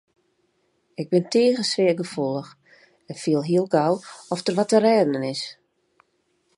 Ik bin tige sfeargefoelich en fiel hiel gau oft der wat te rêden is.